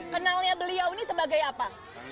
kenalnya beliau ini sebagai apa